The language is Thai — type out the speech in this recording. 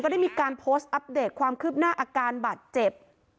ได้มีการโพสต์อัปเดตความคืบหน้าอาการบาดเจ็บ